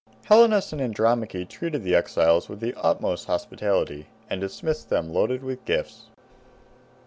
Helenus and Andromache treated the exiles with the utmost hospitality, and dismissed them loaded with gifts.